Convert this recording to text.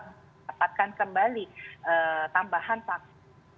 mendapatkan kembali tambahan vaksin